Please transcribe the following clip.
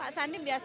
pak sandi biasa